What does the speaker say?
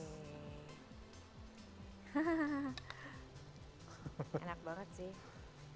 enak banget sih